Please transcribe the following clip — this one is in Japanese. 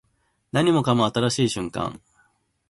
何もかも新しい瞬間